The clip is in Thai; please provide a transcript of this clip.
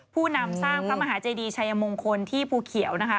ผู้นำสร้างพระมหาเจดีชัยมงคลที่ภูเขียวนะคะ